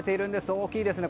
大きいですよね。